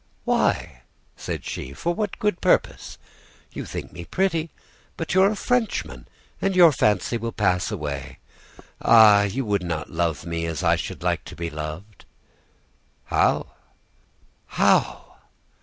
"'Why?' said she; 'for what good purpose? You think me pretty. But you are a Frenchman, and your fancy will pass away. Ah! you would not love me as I should like to be loved.' "'How?